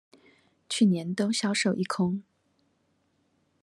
去年都銷售一空